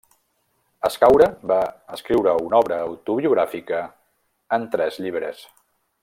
Escaure va escriure una obra autobiogràfica en tres llibres.